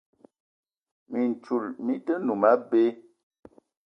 Mintchoul mi-te noum abé.